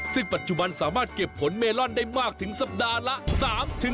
ซึ่งปัจจุบันสามารถเก็บผลเมลอนได้มากถึงสัปดาห์ละ๓๕